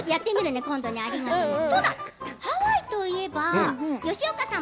ハワイといえば吉岡さん